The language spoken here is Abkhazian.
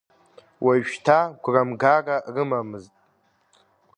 Уажәшьҭа гәрамгара рымамызт.